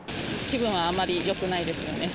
気分はあまりよくないですよ